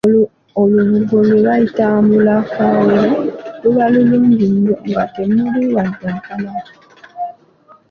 Olubugo lwe bayita Mbulaakawero luba lulungi nnyo nga temuli wadde akalaka.